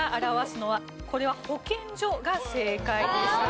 これは保健所が正解でした。